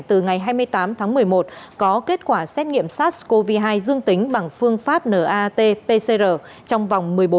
từ ngày hai mươi tám tháng một mươi một có kết quả xét nghiệm sars cov hai